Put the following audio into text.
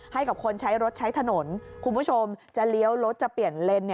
ให้กับคนใช้รถใช้ถนนคุณผู้ชมจะเลี้ยวรถจะเปลี่ยนเลน